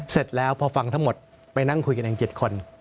เสร็จแล้วพอฟังทั้งหมดไปนั่งคุยกันเอง๗คน